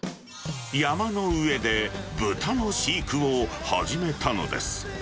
山の上で豚の飼育を始めたのです。